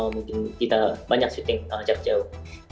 mungkin kita banyak menangkan pertandingan jarak jauh